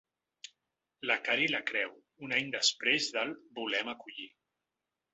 La cara i la creu, un any després del ‘Volem Acollir’